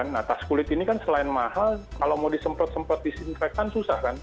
nah tas kulit ini kan selain mahal kalau mau disemprot semprot disinfektan susah kan